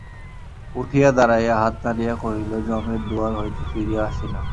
উঠিয়া দাঁড়াইয়া হাত নাড়িয়া কহিল, যমের দুয়ার হইতে ফিরিয়া আসিলাম।